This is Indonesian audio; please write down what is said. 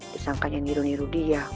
disangkanya niru niru dia